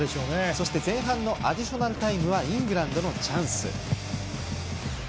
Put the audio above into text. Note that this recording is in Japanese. そして、前半のアディショナルタイムにはイングランドのチャンス。